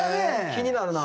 気になるな。